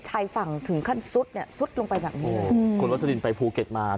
ชายฝั่งถึงขั้นสุดสุดลงไปแบบนี้คุณวัสดิลไปภูเก็ตมา